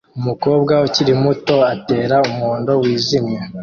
Umukobwa ukiri muto atera umuhondo wijimye